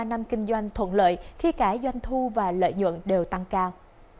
ba năm kinh doanh thuận lợi khi cả doanh thu và lợi nhuận đều tăng cao